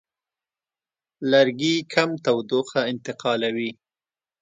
لرګي کم تودوخه انتقالوي.